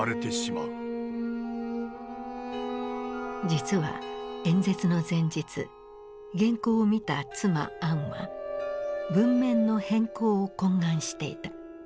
実は演説の前日原稿を見た妻・アンは文面の変更を懇願していた。